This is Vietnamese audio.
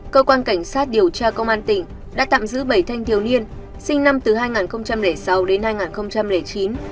cơ quan cảnh sát điều tra công an tỉnh đã tạm giữ bảy thanh thiếu niên sinh năm hai nghìn sáu đến hai nghìn chín